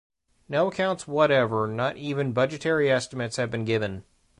No accounts whatever, not even budgetary estimates have been given.